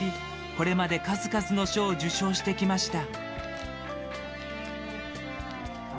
これまで数々の賞を受賞してきました。